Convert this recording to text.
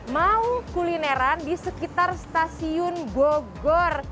mau kulineran di sekitar stasiun bogor